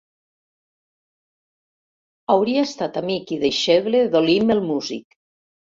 Hauria estat amic i deixeble d'Olimp el músic.